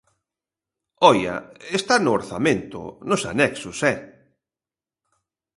Oia, está no orzamento, nos anexos, ¡eh!